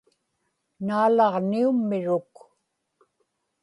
naalaġniummiruk